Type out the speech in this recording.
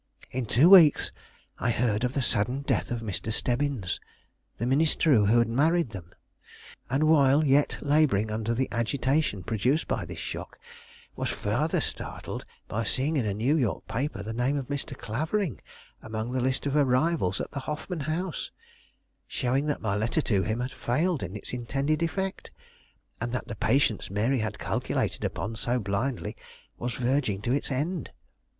In two weeks I heard of the sudden death of Mr. Stebbins, the minister who had married them; and while yet laboring under the agitation produced by this shock, was further startled by seeing in a New York paper the name of Mr. Clavering among the list of arrivals at the Hoffman House; showing that my letter to him had failed in its intended effect, and that the patience Mary had calculated upon so blindly was verging to its end.